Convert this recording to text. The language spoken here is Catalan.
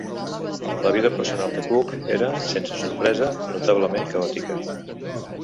La vida personal de Cooke era, sense sorpresa, notablement caòtica.